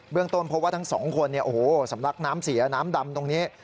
เรื่องต้นเพราะว่าทั้งสองคนสำลักน้ำเสียน้ำดำตรงนี้